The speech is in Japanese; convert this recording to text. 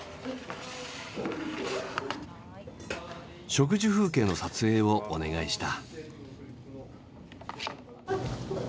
食事風景の撮影をお願いした。